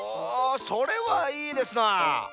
おそれはいいですな！